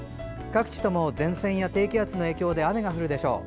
各地とも前線や低気圧の影響で雨が降るでしょう。